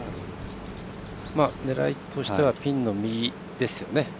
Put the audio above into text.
狙いとしてはピンの右ですよね。